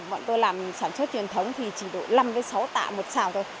bọn tôi làm sản xuất truyền thống thì chỉ đủ năm sáu tạ một xào thôi